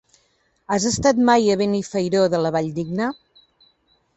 Has estat mai a Benifairó de la Valldigna?